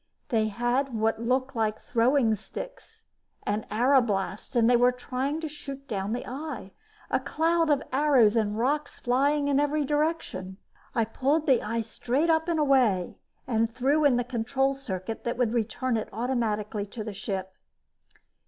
They had what looked like throwing sticks and arbalasts and were trying to shoot down the eye, a cloud of arrows and rocks flying in every direction. I pulled the eye straight up and away and threw in the control circuit that would return it automatically to the ship.